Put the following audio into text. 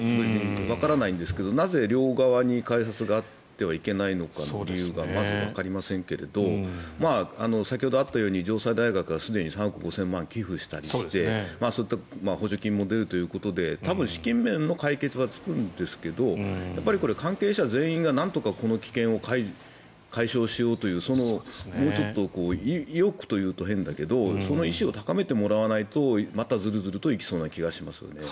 理由がわからないんですがなぜ両側に改札があってはいけないのかという理由がまずわかりませんけれど先ほどあったように城西大学がすでに３億５０００万円を寄付したりして補助金も出るということで資金面の解決は出るんですが関係者全員がこの危険をなんとか解消しようという意欲というと変だけどその意思を高めてもらわないとまたずるずると行きそうな気がしますね。